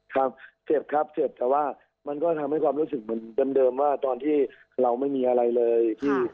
ครับเจ็บครับเจ็บแต่ว่ามันก็ทำให้ความรู้สึกเหมือนเดิมว่าตอนที่เราไม่มีอะไรเลย